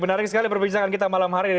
menarik sekali perbincangan kita malam hari ini